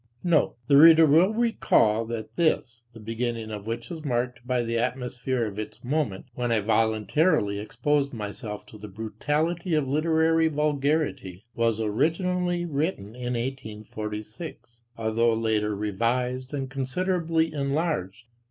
Note The reader will recall, that this (the beginning of which is marked by the atmosphere of its moment, when I voluntarily exposed myself to the brutality of literary vulgarity) was originally written in 1846, although later revised and considerably enlarged.